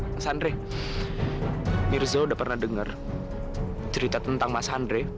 mas andre mirza sudah pernah dengar cerita tentang mas andre